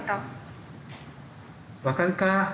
わかるか？